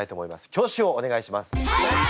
挙手をお願いします。